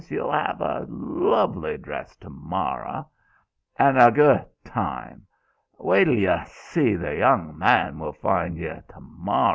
Y'll 'av' a luvly dress t'morro', an' a go' time. Wait t'l y'see the young man we'll find y' t'morro'.